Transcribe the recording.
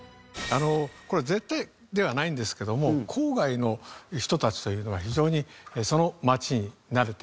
これは絶対ではないんですけども郊外の人たちというのは非常にその町に住み慣れているという事。